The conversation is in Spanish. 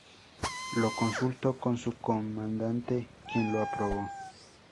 Lo consultó con su comandante quien lo aprobó.